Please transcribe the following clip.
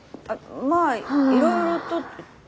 まあいろいろと。